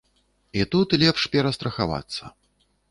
І тут лепш перастрахавацца.